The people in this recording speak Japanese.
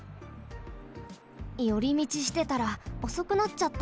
よりみちしてたらおそくなっちゃった。